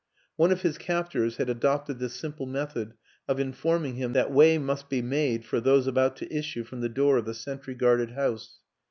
One of his captors had adopted this simple method of informing him that way must be made for those about to issue from the door of the sentry guarded house.